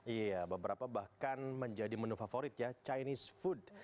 iya beberapa bahkan menjadi menu favorit ya chinese food